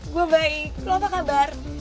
gue baik lo apa kabar